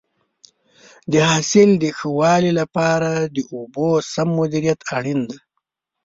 د حاصل د ښه والي لپاره د اوبو سم مدیریت اړین دی.